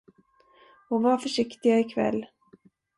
Och var försiktiga i kväll.